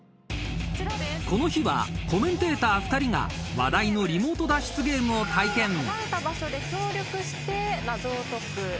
［この日はコメンテーター２人が話題のリモート脱出ゲームを体験］